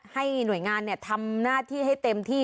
ให้หน่วยงานทำหน้าที่ให้เต็มที่